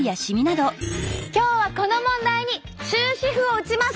今日はこの問題に終止符を打ちます。